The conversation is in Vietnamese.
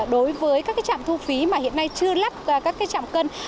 đối với các trạm thu phí mà hiện nay chưa lắp các chạm cân